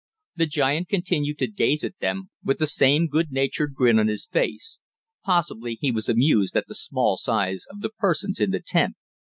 The giant continued to gaze at them, with the same good natured grin on his face. Possibly he was amused at the small size of the persons in the tent.